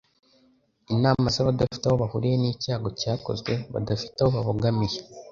Inama z'abadafite aho bahuriye n'icyago cyakozwe, badafite aho babogamiye,